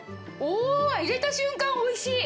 おぉ入れた瞬間おいしい。